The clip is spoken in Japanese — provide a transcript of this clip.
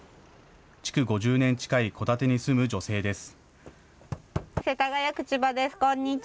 築５０年近い戸建てに住む女性です。